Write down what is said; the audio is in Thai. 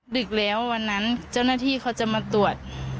ดึกแล้ววันนั้นเจ้าหน้าที่เขาจะมาตรวจ